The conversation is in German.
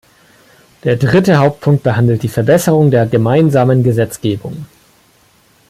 Der dritte Hauptpunkt behandelt die Verbesserung der gemeinsamen Gesetzgebung.